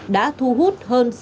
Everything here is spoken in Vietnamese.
đã thu hút hơn sáu đồng tiền